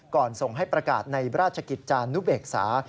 ส่งให้ประกาศในราชกิจจานุเบกษา